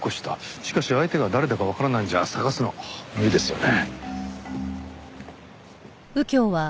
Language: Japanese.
しかし相手が誰だかわからないんじゃ捜すの無理ですよね。